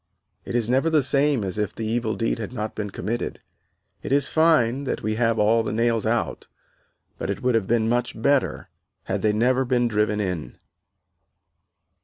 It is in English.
It is never the same as if the evil deed had not been committed. It is fine that we have all the nails out, but it would have been much better had they never been driven in."